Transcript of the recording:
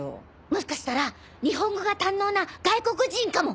もしかしたら日本語が堪能な外国人かも。